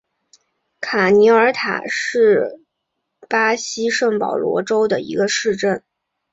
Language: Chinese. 卡尼塔尔是巴西圣保罗州的一个市镇。